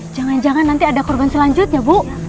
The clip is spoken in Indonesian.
jangan jangan nanti ada korban selanjutnya bu